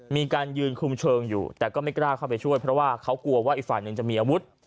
มีการยืนคุมเชิงอยู่แต่ก็ไม่กล้าเข้าไปช่วยเพราะว่าเขากลัวว่าอีกฝ่ายหนึ่งจะมีอาวุธ